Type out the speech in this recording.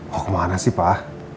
mau kemana sih pak